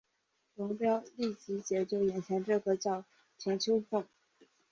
龙飙立即解救眼前这个叫田秋凤。